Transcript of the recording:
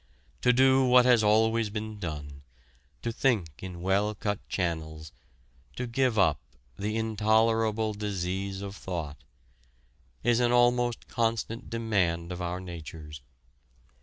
To do what has always been done, to think in well cut channels, to give up "the intolerable disease of thought," is an almost constant demand of our natures.